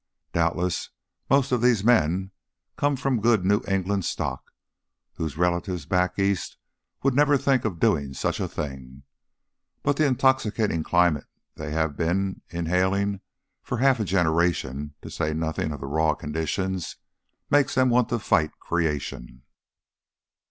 Doubtless most of these men come of good New England stock, whose relatives 'back East' would never think of doing such a thing; but the intoxicating climate they have been inhaling for half a generation, to say nothing of the raw conditions, makes them want to fight creation."